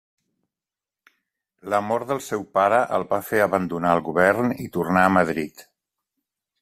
La mort del seu pare el va fer abandonar el govern i tornar a Madrid.